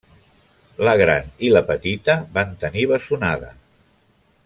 La gran i la petita van tenir bessonada.